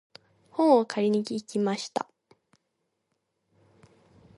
本を借りに行きました。